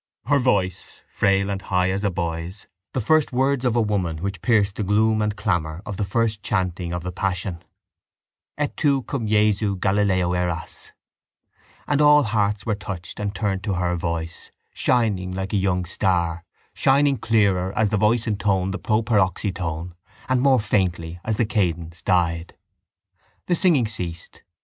Her voice, frail and high as a boy's, was heard intoning from a distant choir the first words of a woman which pierce the gloom and clamour of the first chanting of the passion: —Et tu cum Jesu Galilæo eras. And all hearts were touched and turned to her voice, shining like a young star, shining clearer as the voice intoned the proparoxyton and more faintly as the cadence died. The singing ceased.